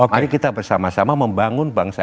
mari kita bersama sama membangun bangsa